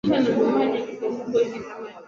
meli ya nchini malaysia iliwasiri kutoka china